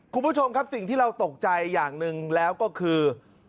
คุณผู้ชมครับสิ่งที่เราตกใจอย่างหนึ่งแล้วก็คือ